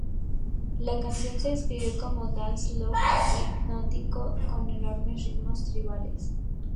La canción se describió como dance lo-fi hipnótico con enormes ritmos tribales.